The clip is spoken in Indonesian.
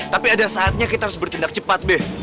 tapi ada saatnya kita harus bertindak cepat deh